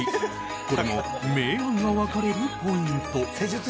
これも明暗が分かれるポイント。